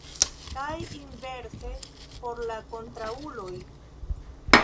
Kaj inverse por la kontraŭuloj.